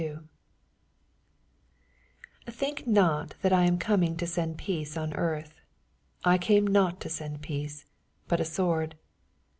84 Think not that I am come to B«nd peace on earth: I came not to ■end peace, but a sword.